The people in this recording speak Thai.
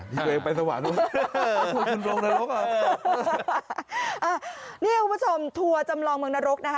นี่ตัวเองไปสวรรค์คุณลงนรกอ่ะนี่คุณผู้ชมทัวร์จำลองเมืองนรกนะฮะ